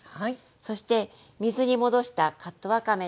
そして水に戻したカットわかめです。